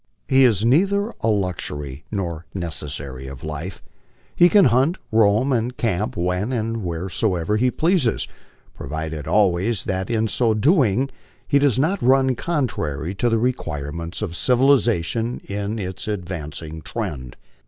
He is neither a luxury nor necessary of life. Ilo can hunt, roam, and camp when and wheresoever he pleases, provided always that in so doing he does not run contrary to the requirements of civilization in its advancing tread.